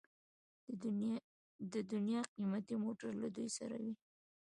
د دنیا قیمتي موټر له دوی سره وي.